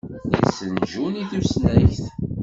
Yessen Jun i tusnakt.